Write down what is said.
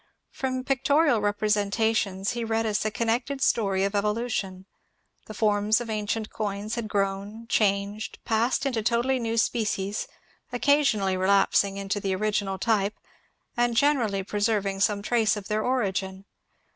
From pictorial representations he read us a con nected story of evolution: the forms of ancient coins had grown, changed, passed into totally new species, occasionally relapsing into the original type, and generally preserving some trace of their origin.